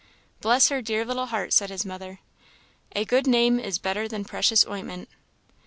"Bless her dear little heart!" said his mother. "A good name is better than precious ointment."